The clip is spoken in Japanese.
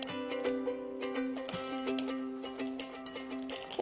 ＯＫ。